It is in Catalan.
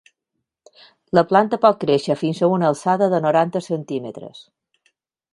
La planta pot créixer fins a una alçada de noranta centímetres.